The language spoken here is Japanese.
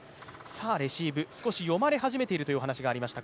レシーブ少し読まれ始めているというお話がありました、